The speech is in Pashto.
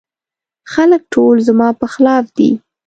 خلګ ټول زما په خلاف دي.